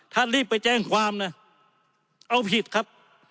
ถ้ารีบไปแจ้งความนะเอาผิดครับ